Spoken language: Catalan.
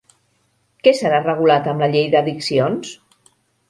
Què serà regulat amb la llei d'addiccions?